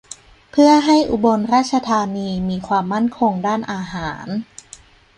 เพื่อให้อุบลราชธานีมีความมั่นคงด้านอาหาร